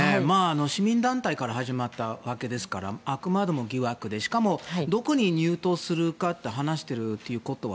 市民団体から始まったわけですからあくまでも疑惑でしかもどこに入党するか話しているということは